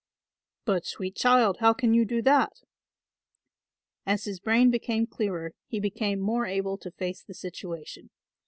"But, sweet child, how can you do that?" As his brain became clearer he became more able to face the situation.